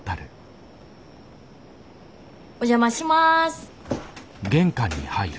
お邪魔します。